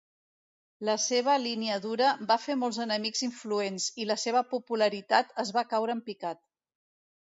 La seva línia dura va fer molts enemics influents, i la seva popularitat es va caure en picat.